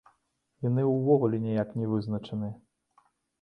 Яны ўвогуле ніяк не вызначаныя!